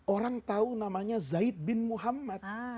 orang tahu namanya zaid bin muhammad